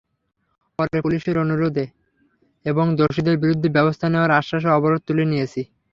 পরে পুলিশের অনুরোধ এবং দোষীদের বিরুদ্ধে ব্যবস্থা নেওয়ার আশ্বাসে অবরোধ তুলে নিয়েছি।